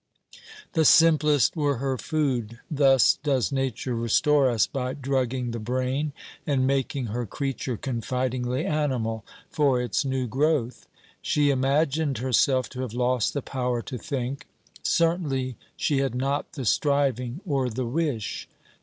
The simplest were her food. Thus does Nature restore us, by drugging the brain and making her creature confidingly animal for its new growth. She imagined herself to have lost the power to think; certainly she had not the striving or the wish.